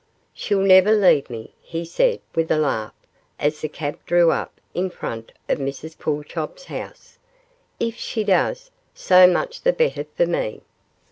'She'll never leave me,' he said, with a laugh, as the cab drew up in front of Mrs Pulchop's house; 'if she does, so much the better for me.